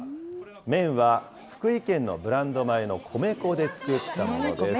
麺は福井県のブランド米の米粉で作ったものです。